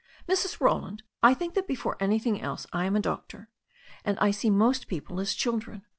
"Mrs. Roland, I think that before anything else I am a doctor, and I see most people as children.